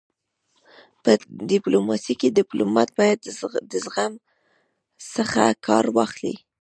په ډيپلوماسی کي ډيپلومات باید د زغم څخه کار واخلي.